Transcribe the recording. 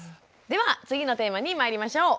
では次のテーマにまいりましょう。